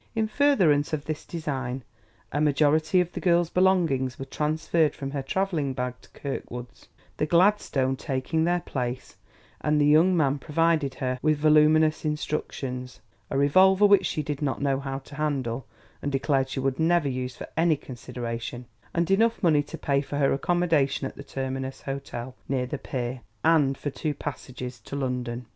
In furtherance of this design, a majority of the girl's belongings were transferred from her traveling bag to Kirkwood's, the gladstone taking their place; and the young man provided her with voluminous instructions, a revolver which she did not know how to handle and declared she would never use for any consideration, and enough money to pay for her accommodation at the Terminus Hôtel, near the pier, and for two passages to London.